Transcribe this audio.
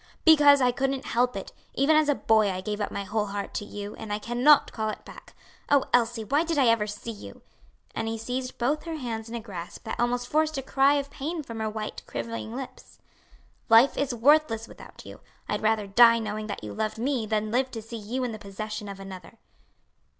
"Because I couldn't help it! Even as a boy I gave up my whole heart to you, and I cannot call it back. Oh, Elsie, why did I ever see you?" and he seized both her hands in a grasp that almost forced a cry of pain from her white, quivering lips. "Life is worthless without you. I'd rather die knowing that you loved me than live to see you in the possession of another."